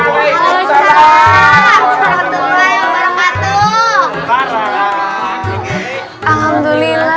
assalamualaikum warahmatullahi wabarakatuh